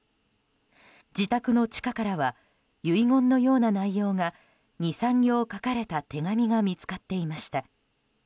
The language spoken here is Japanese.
自宅の地下からは遺言のような内容が２３行書かれた手紙が見つかっていました。